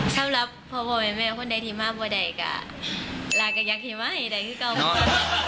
สำหรับพ่อพ่อแม่แม่คนใดที่มาบัวได้ก็แล้วก็อยากให้มาให้ได้คือกับพ่อพ่อ